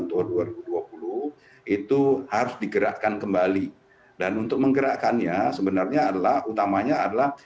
tahun dua ribu dua puluh itu harus digerakkan kembali dan untuk menggerakkannya sebenarnya adalah utamanya adalah